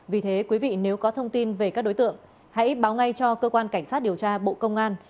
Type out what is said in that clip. vì thế quý vị nếu có thông tin về các đối tượng hãy báo ngay cho cơ quan cảnh sát điều tra bộ công an